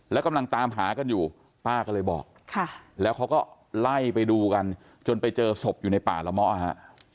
แล้วกำลังตามหากันอยู่ป้าก็เลยบอกแล้วเขาก็ไล่ไปดูกันจนไปเจอศพอยู่ในป่าละเมาะฮะ